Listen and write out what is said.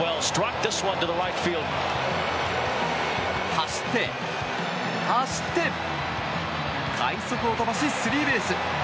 走って、走って快足を飛ばしスリーベース。